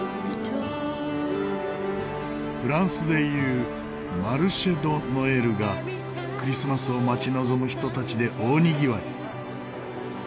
フランスでいうマルシェ・ド・ノエルがクリスマスを待ち望む人たちで大にぎわい。